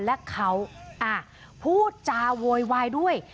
และเขาพูดจาโวยวายด้วย